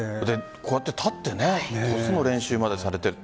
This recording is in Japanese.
こうやって立ってトスの練習までされている。